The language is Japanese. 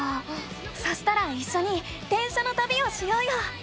そしたらいっしょに電車のたびをしようよ！